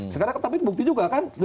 sekarang tapi bukti juga kan